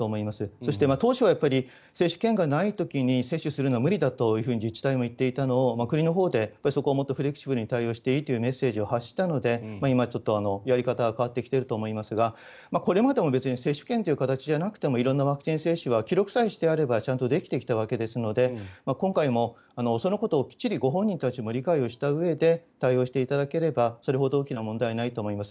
そして、当初は接種券がない時に接種するのは無理だと自治体も行っていたのをそこは国のほうでもっとフレキシブルに対応していいというメッセージを発したので今ちょっとやり方が変わってきていると思いますがこれまでも別に接種券という形じゃなくて色んなワクチン接種は記録さえしてあればちゃんとできてきたわけですのでそのことをきっちりご本人たちも理解をしたうえで対応していただければそれほど大きな問題はないと思います。